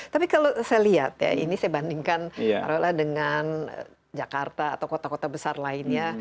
tapi kalau saya lihat ya ini saya bandingkan dengan jakarta atau kota kota besar lainnya